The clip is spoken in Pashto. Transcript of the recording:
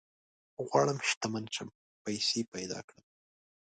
غواړم شتمن شم ، پيسي پيدا کړم